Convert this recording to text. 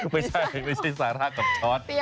ไม่ใช่ไม่ใช่สาระกับชอต